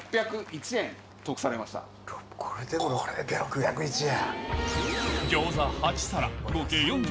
これでも６００円。